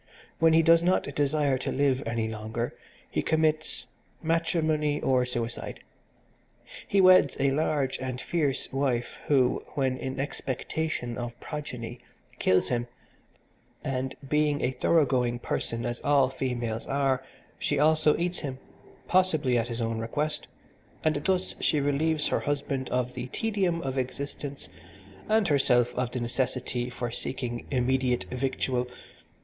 When he does not desire to live any longer he commits matrimony or suicide. He weds a large and fierce wife, who, when in expectation of progeny, kills him, and, being a thorough going person as all females are, she also eats him, possibly at his own request, and thus she relieves her husband of the tedium of existence and herself of the necessity for seeking immediate victual.